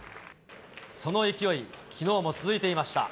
その勢い、きのうも続いていました。